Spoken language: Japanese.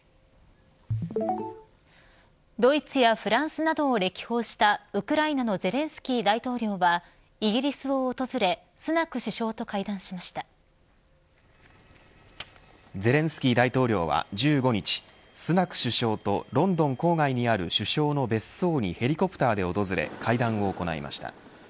ドイツやフランスなどを歴訪したウクライナのゼレンスキー大統領はイギリスを訪れゼレンスキー大統領は１５日スナク首相とロンドン郊外にある首相の別荘にヘリコプターで訪れ会談を行いました。